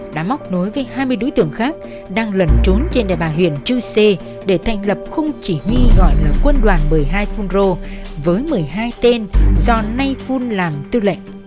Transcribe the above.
đã móc nối với hai mươi đối tượng khác đang lần trốn trên đài bà huyện chuse để thành lập không chỉ huy gọi là quân đoàn một mươi hai fungro với một mươi hai tên do nay fung làm tư lệnh